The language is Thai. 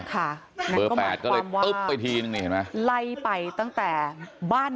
ค่ะดำเบิ้ลแปดก็เลยไปทีนึงนี่เห็นไหมไลไปตั้งแต่บ้านใน